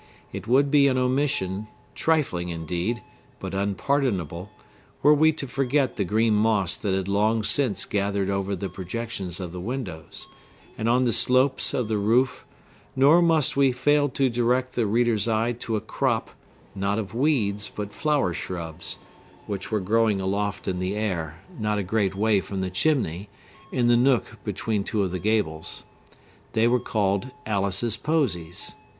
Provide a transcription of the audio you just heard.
It would be an omission, trifling, indeed, but unpardonable, were we to forget the green moss that had long since gathered over the projections of the windows, and on the slopes of the roof nor must we fail to direct the reader's eye to a crop, not of weeds, but flower shrubs, which were growing aloft in the air, not a great way from the chimney, in the nook between two of the gables. They were called Alice's Posies.